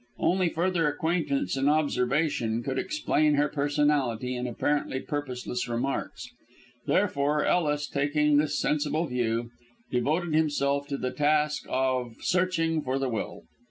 Only further acquaintance and observation could explain her personality and apparently purposeless remarks; therefore Ellis, taking this sensible view, devoted himself to the task of searching for the will.